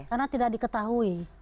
karena tidak diketahui